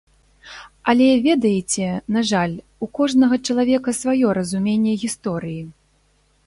Але, ведаеце, на жаль, у кожнага чалавека сваё разуменне гісторыі.